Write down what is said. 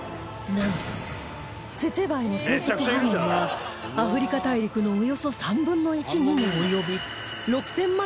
なんとツェツェバエの生息範囲はアフリカ大陸のおよそ３分の１にも及び６０００万